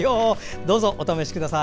どうぞお試しください。